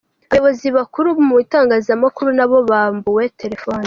Abayobozi bakuru mu itangazamakuru nabo bambuwe “Telefoni”.